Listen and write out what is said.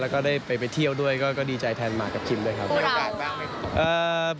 แล้วก็ได้ไปเที่ยวด้วยก็ดีใจแทนบาร์กับคริมด้วยครับ